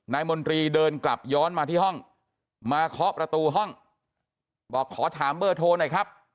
มนตรีเดินกลับย้อนมาที่ห้องมาเคาะประตูห้องบอกขอถามเบอร์โทรหน่อยครับ